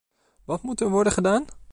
Wat moet er worden gedaan?